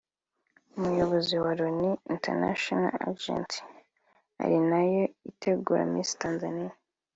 umuyobozi wa Lino International Agency ari nayo itegura Miss Tanzania